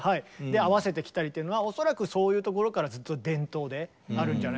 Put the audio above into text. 合わせて着たりっていうのは恐らくそういうところからずっと伝統であるんじゃないかなと思うんですけどもね。